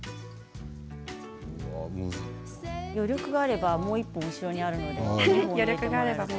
余力があれば、もう１本後ろにあるので。